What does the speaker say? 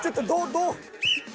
どう？